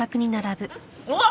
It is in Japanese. うわっ！